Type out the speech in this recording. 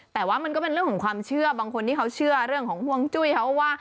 แต่ว่ามันก็เป็นเรื่องของความเชื่อบางคนที่เขาเชื่อเรื่องของห่วงจุ้ยเขาว่า